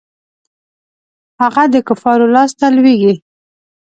هغه د کفارو لاسته لویږي.